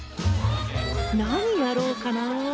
何やろうかな。